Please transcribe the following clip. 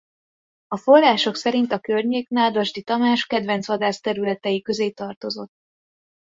A források szerint a környék Nádasdy Tamás kedvenc vadászterületei közé tartozott.